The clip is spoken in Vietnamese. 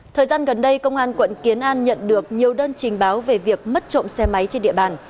thời gian gần đây công an quận kiến an nhận được nhiều đơn trình báo về việc mất trộm xe máy trên địa bàn